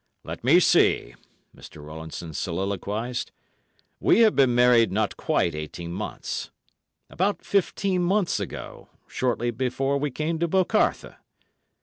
"Let me see," Mr. Rowlandson soliloquised. "We have been married not quite eighteen months. About fifteen months ago—shortly before we came to 'Bocarthe.